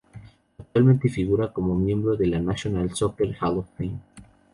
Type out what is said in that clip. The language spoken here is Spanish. Actualmente figura como miembro de la National Soccer Hall of Fame.